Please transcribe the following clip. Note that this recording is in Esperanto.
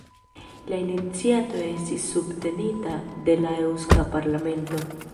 La iniciato estis subtenita de la Eŭska Parlamento.